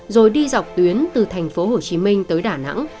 rồi đi dọc tuyến từ tp hcm tới đà nẵng